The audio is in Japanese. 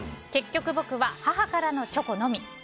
結局、僕は母からのチョコのみ。